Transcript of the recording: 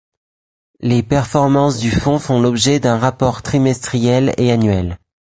Les performances du fonds font l'objet d'un rapport trimestriel et annuel.